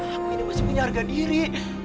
aku ini masih punya harga diri